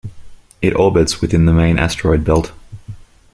It orbits within the main asteroid belt.